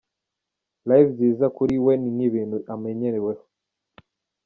Live nziza kuri we nk’ibintu amenyereweho.